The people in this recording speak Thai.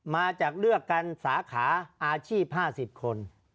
มาจากเลือกกันสาขาอาชีพ๕๐คน